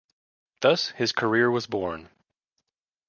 Thus, his career was born.